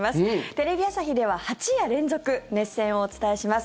テレビ朝日では８夜連続熱戦をお伝えします。